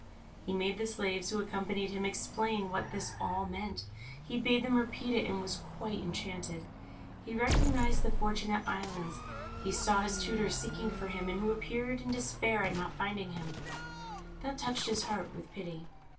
He made the slaves who accompanied him explain what this all meant; he bade them repeat it, and was quite enchanted. He recognised the Fortunate Islands; he saw his tutors seeking for him, and who appeared in despair at not finding him that touched his heart with pity.